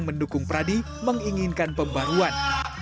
mendukung pradi menginginkan pembaruan